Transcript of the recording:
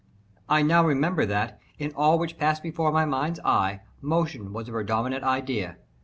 I now remember that, in all which passed before my mind's eye, motion was a predominant idea.